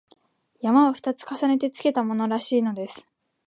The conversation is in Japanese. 「山」を二つ重ねてつけたものらしいのです